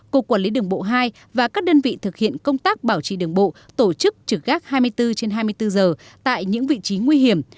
cục quản lý đường bộ hai và các đơn vị thực hiện công tác bảo trì đường bộ tổ chức trực gác hai mươi bốn trên hai mươi bốn giờ tại những vị trí nguy hiểm